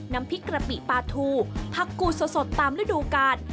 น้ำพริกกะปิปลาทูผักกูสดตามฤดูกาล